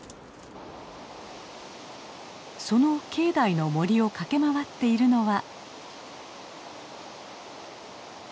その境内の森を駆け回っているのは。